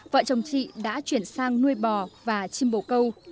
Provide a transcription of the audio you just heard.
vợ chồng chị đã chuyển sang nuôi bò và chim bổ câu